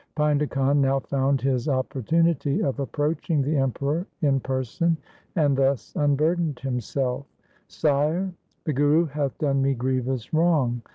Painda Khan now found his opportunity of approaching the Emperor in person, and thus unburdened himself :' Sire, the Guru hath done me grievous wrong.